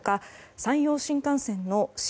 山陽新幹線の新